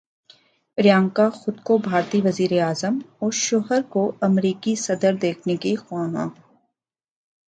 پریانکا خود کو بھارتی وزیر اعظم اور شوہر کو امریکی صدر دیکھنے کی خواہاں